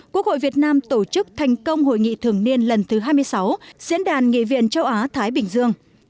quốc hội việt nam tổ chức thành công hội nghị thường niên lần thứ hai mươi sáu diễn đàn nghị viện châu á thái bình dương